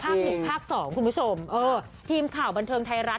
หนึ่งภาคสองคุณผู้ชมเออทีมข่าวบันเทิงไทยรัฐ